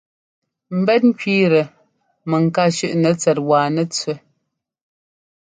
Mbɛ́t ŋ́kẅíitɛ mɛŋká shʉ́ꞌnɛ tsɛt wa nɛtsẅɛ́.